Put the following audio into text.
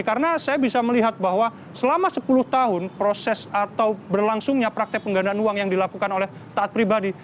karena saya bisa melihat bahwa selama sepuluh tahun proses atau berlangsungnya praktek penggandaan uang yang dilakukan oleh taat pribadi